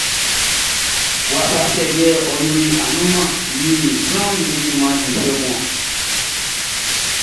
Wafa sɛ yɛ ɔ yoli annunman ni sranʼm be junman difuɛ mun?